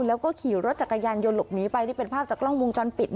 แล้วก็ขี่รถจักรยานยนต์หลบหนีไปนี่เป็นภาพจากกล้องวงจรปิด